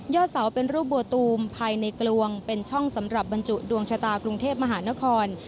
เสาเป็นรูปบัวตูมภายในกลวงเป็นช่องสำหรับบรรจุดวงชะตากรุงเทพมหานคร